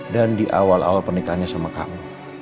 dan di awal awal pernikahannya sama kamu